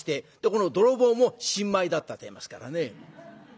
泥棒も新米だったっていいますからね。